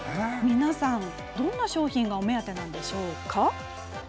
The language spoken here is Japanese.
皆さん、どんな商品がお目当てなんでしょうか。